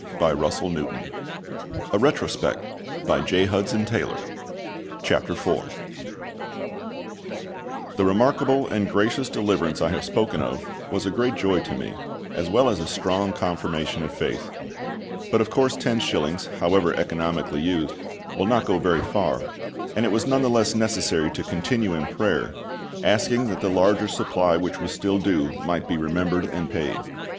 CHAPTER IV FURTHER ANSWERS TO PRAYER THE remarkable and gracious deliverance I have spoken of, was a great joy to me, as well as a strong confirmation of faith; but of course ten shillings, however economically used, will not go very far, and it was none the less necessary to continue in prayer, asking that the larger supply which was still due might be remembered and paid.